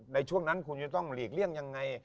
ในช่วงนั้นคุณจะต้องหลีกเลี่ยงยังไง